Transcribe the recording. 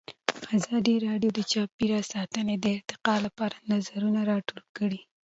ازادي راډیو د چاپیریال ساتنه د ارتقا لپاره نظرونه راټول کړي.